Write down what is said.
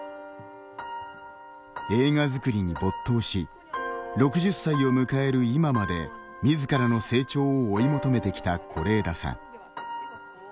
映画作りに没頭し６０歳を迎える今までみずからの成長を追い求めてきた是枝さん。